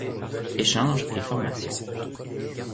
Échange et formation.